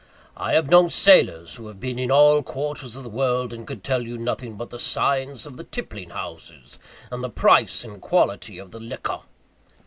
I have known sailors who had been in all the quarters of the world, and could tell you nothing but the signs of the tippling houses, and the price and quality of the liquor.